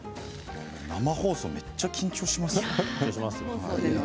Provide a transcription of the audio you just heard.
生放送、めっちゃ緊張しますね。